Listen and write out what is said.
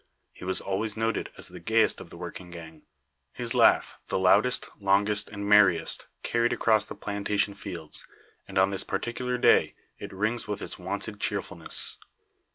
He was always noted as the gayest of the working gang his laugh, the loudest, longest, and merriest, carried across the plantation fields; and on this particular day, it rings with its wonted cheerfulness.